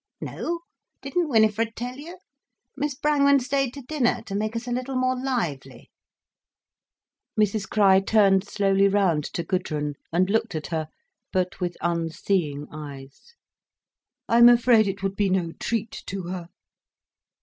"No? Didn't Winifred tell you? Miss Brangwen stayed to dinner, to make us a little more lively—" Mrs Crich turned slowly round to Gudrun, and looked at her, but with unseeing eyes. "I'm afraid it would be no treat to her."